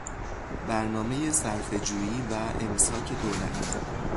برنامهی صرفهجویی و امساک دولت